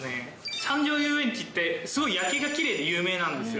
山上遊園地って、すごい夜景がきれいで有名なんですよ。